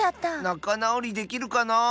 なかなおりできるかなあ。